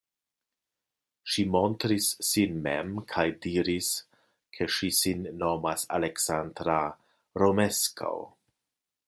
Ŝi montris sin mem kaj diris, ke ŝi sin nomas Aleksandra Romeskaŭ.